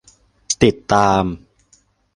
ติดตาม